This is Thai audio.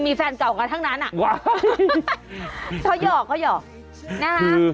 มีแฟนเก่ากันทั้งนั้นน่ะเขาหยอกนะนะ